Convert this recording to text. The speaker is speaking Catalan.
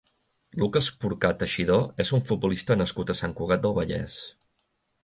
Lucas Porcar Teixidó és un futbolista nascut a Sant Cugat del Vallès.